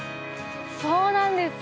そうなんです。